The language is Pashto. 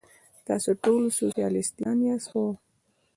تاسې ټول سوسیالیستان یاست؟ هو.